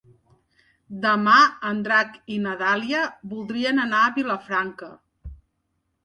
Demà en Drac i na Dàlia voldrien anar a Vilafranca.